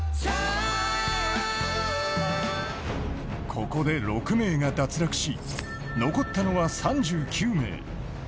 ここで６名が脱落し、残ったのは３９名。